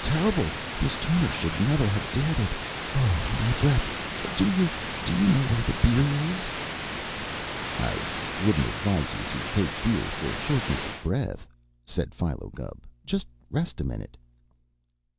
Terrible! Miss Turner should never have dared it! Oh, my breath! Do you do you know where the beer is?" "I wouldn't advise you to take beer for shortness of the breath," said Philo Gubb. "Just rest a minute."